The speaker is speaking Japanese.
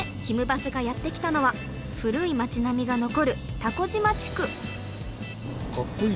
バスがやって来たのは古い街並みが残る蛸島地区。